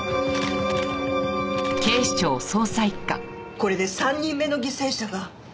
これで３人目の犠牲者が。